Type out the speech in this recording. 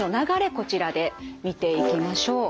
こちらで見ていきましょう。